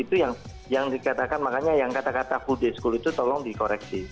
itu yang dikatakan makanya yang kata kata full day school itu tolong dikoreksi